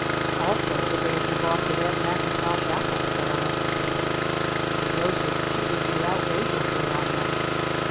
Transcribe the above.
"Also the day you bought the Red Mackintosh Apples," said our Uncle Peter. "The Grocer cheated you outrageously on them.